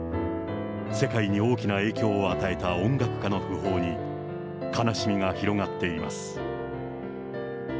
世界に大きな影響を与えた音楽家の訃報に、悲しみが広がっています。